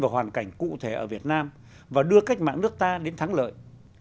vào hoàn cảnh cụ thể ở việt nam và đưa cách mạng nước ta đến thắng lợi